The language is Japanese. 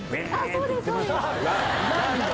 そうですそうです。